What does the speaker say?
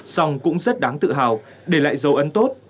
song cũng rất đáng tự hào để lại dấu ấn tốt